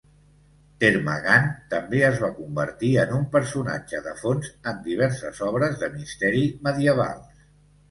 Termagant també es va convertir en un personatge de fons en diverses obres de misteri medievals.